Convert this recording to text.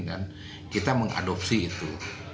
dan kita mengadopsi itu